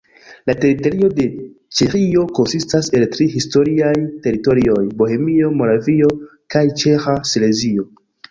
La teritorio de Ĉeĥio konsistas el tri historiaj teritorioj: Bohemio, Moravio kaj Ĉeĥa Silezio.